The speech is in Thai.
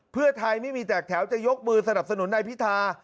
เพื่อไทยไม่มีแตกแถวจะยกมือสนับสนุนนายพิธา